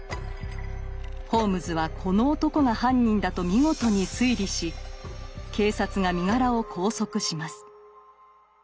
ホームズはこの男が犯人だと見事に推理し警察が身柄を拘束します。